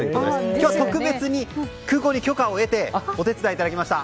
今日は特別に空港に許可を得てお手伝いいただきました。